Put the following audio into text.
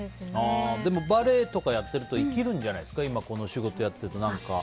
でも、バレエとかやってると生きるんじゃないですか今、この仕事やってて。